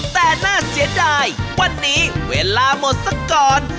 แต่น่าเสียดายวันนี้เวลาหมดสักก่อน